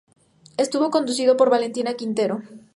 Estuvo conducido por Valentina Quintero.